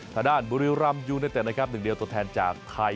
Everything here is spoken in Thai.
ถ้าด้านบุรีรัมย์ยูนิเตอร์นะครับหนึ่งเดียวตัวแทนจากไทย